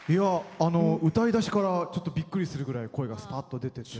歌い出しからびっくりするぐらい声がさっと出て。